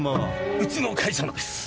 うちの会社のです。